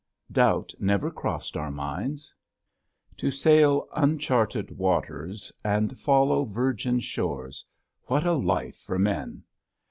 Doubt never crossed our minds. To sail uncharted waters and follow virgin shores what a life for men!